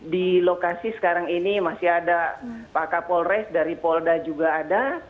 di lokasi sekarang ini masih ada pak kapolres dari polda juga ada